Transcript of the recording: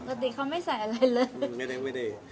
ปกติเขาไม่ใส่อะไรเลย